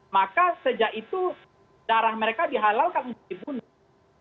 maka sejak itu darah mereka dihalalkan untuk dibunuh